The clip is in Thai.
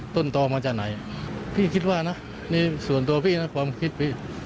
ตอมาจากไหนพี่คิดว่านะในส่วนตัวพี่นะความคิดพี่